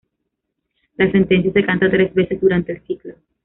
La sentencia se canta tres veces durante el ciclo.